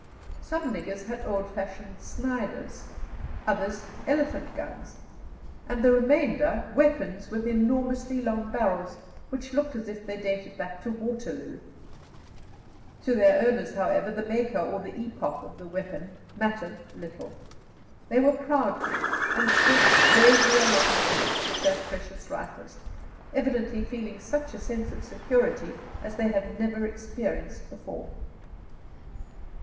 Some niggers had old fashioned Sniders, others elephant guns, and the remainder weapons with enormously long barrels, which looked as if they dated back to Waterloo. To their owners, however, the maker or the epoch of the weapon mattered little. They were proud men, and stalked gravely along the streets with their precious rifles, evidently feeling such a sense of security as they had never experienced before.